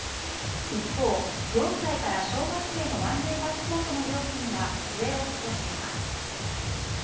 一方、４歳から小学生の１デーパスポートの料金は据え置くとしています。